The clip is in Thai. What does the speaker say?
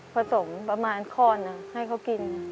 ผสมประมาณข้อหนึ่งให้เขากิน